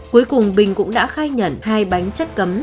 cuối cùng bình cũng đã khai nhận hai bánh chất cấm